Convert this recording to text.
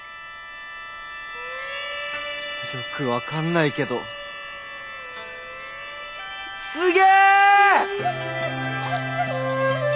よく分かんないけどすげ！